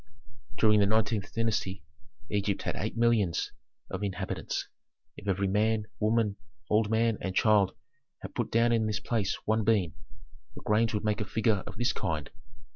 "During the nineteenth dynasty Egypt had eight millions of inhabitants. If every man, woman, old man, and child had put down in this place one bean, the grains would make a figure of this kind."